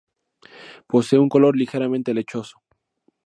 Posee un color ligeramente lechoso.